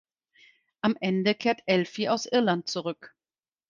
Am Ende kehrt Elfi aus Irland zurück.